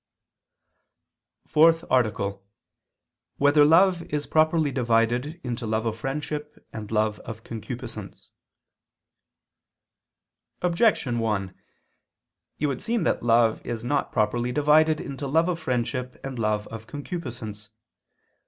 ________________________ FOURTH ARTICLE [I II, Q. 26, Art. 4] Whether Love Is Properly Divided into Love of Friendship and Love of Concupiscence? Objection 1: It would seem that love is not properly divided into love of friendship and love of concupiscence.